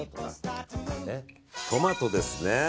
トマトですね。